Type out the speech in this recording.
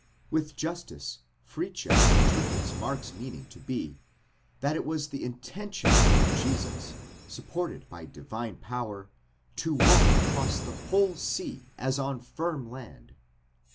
With justice Fritzsche interprets Mark's meaning to be, that it was the intention of Jesus, supported by divine power, to walk across the whole sea as on firm land.